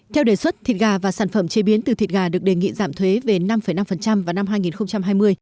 theo đề xuất thịt gà và sản phẩm chế biến từ thịt gà được đề nghị giảm thuế về năm năm vào năm hai nghìn hai mươi